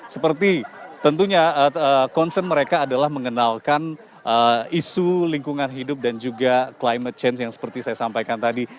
seperti tentunya concern mereka adalah mengenalkan isu lingkungan hidup dan juga climate change yang seperti saya sampaikan tadi